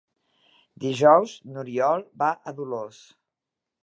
Dijous n'Oriol va a Dolors.